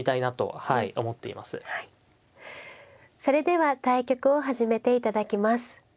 それでは対局を始めて頂きます。